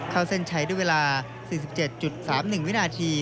เข้าเส้นใช้ด้วยเวลา๔๗๓๑วินาที